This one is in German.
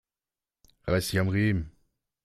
Reiß dich am Riemen!